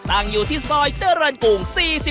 ตั้งอยู่ที่ซ่อยเจอรับกรุง๔๕